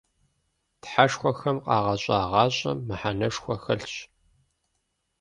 Тхьэшхуэхэм къагъэщӀа гъащӀэм мыхьэнэшхуэ хэлъщ.